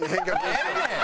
ええねん！